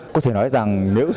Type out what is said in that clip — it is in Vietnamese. có thể nói rằng nếu